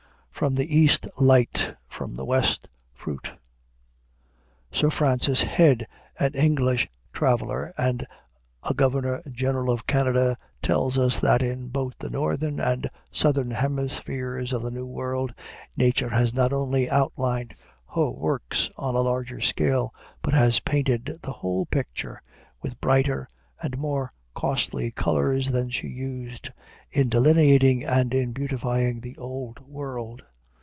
From the East light; from the West fruit. Sir Francis Head, an English traveler and a Governor General of Canada, tells us that "in both the northern and southern hemispheres of the New World, Nature has not only outlined her works on a larger scale, but has painted the whole picture with brighter and more costly colors than she used in delineating and in beautifying the Old World....